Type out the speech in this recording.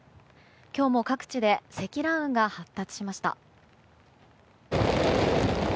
今日も各地で積乱雲が発達しました。